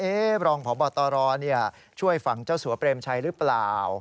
รองพบตรช่วยฝั่งเจ้าสัวเปรมชัยหรือเปล่า